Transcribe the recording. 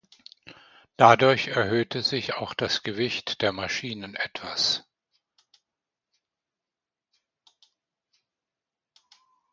Dadurch erhöhte sich auch das Gewicht der Maschinen etwas.